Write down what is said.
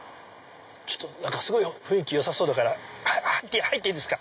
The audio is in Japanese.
すごい雰囲気よさそうだから入っていいですか？